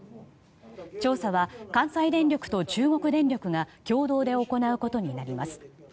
調査は関西電力と中国電力が共同で行うことになります。